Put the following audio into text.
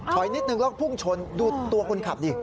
นิดนึงแล้วพุ่งชนดูตัวคนขับดิ